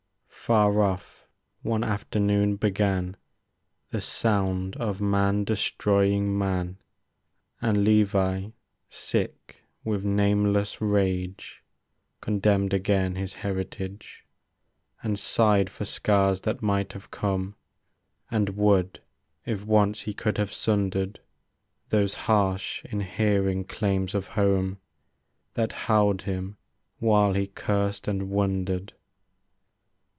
Far off one afternoon began The sound of man destroying man ; And Levi, sick with nameless rage. Condemned again his heritage. And sighed for scars that might have come, And would, if once he could have sundered Those harsh, inhering claims of home That held him while he cursed and wondered.